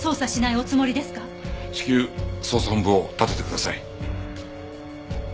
至急捜査本部を立ててください。